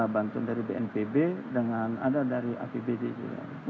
bantuan dari bnpb dengan ada dari apbd juga